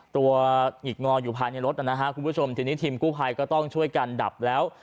หงิกงออยู่ภายในรถนะฮะคุณผู้ชมทีนี้ทีมกู้ภัยก็ต้องช่วยกันดับแล้ว